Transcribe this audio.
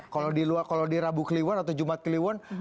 kalau di rabu kliwon atau jumat kliwon